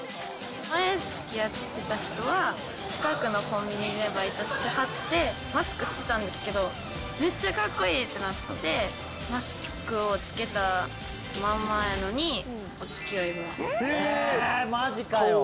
前つきあってた人は、近くのコンビニでバイトしてはって、マスクしてたんですけど、めっちゃかっこいいってなって、マスクを着けたままやのに、おつきあいを。